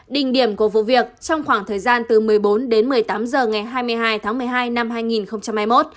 đỉnh điểm của vụ việc trong khoảng thời gian từ một mươi bốn đến một mươi tám h ngày hai mươi hai tháng một mươi hai năm hai nghìn hai mươi một